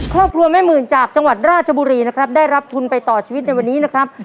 ครอบครัวแม่หมื่นจากจังหวัดราชบุรีนะครับได้รับทุนไปต่อชีวิตในวันนี้นะครับ